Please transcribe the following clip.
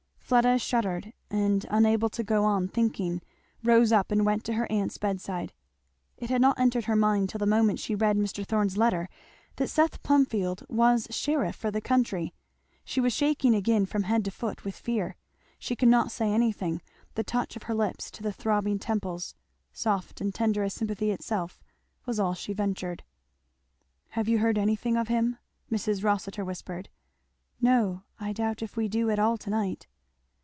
Fleda shuddered, and unable to go on thinking rose up and went to her aunt's bedside. It had not entered her mind till the moment she read Mr. Thorn's letter that Seth Plumfield was sheriff for the county. She was shaking again from head to foot with fear. She could not say anything the touch of her lips to the throbbing temples, soft and tender as sympathy itself, was all she ventured. "Have you heard anything of him?" Mrs. Rossitur whispered. "No I doubt if we do at all to night."